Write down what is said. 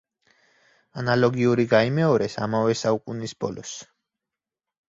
ანალოგიური გაიმეორეს ამავე საუკუნის ბოლოს.